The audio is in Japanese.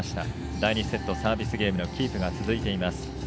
第２セット、サービスゲームのキープが続いています。